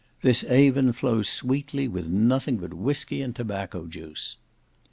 This Avon flows sweetly with nothing but whiskey and tobacco juice.